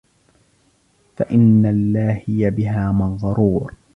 فَإِنَّ اللَّاهِيَ بِهَا مَغْرُورٌ